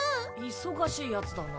忙しいヤツだな。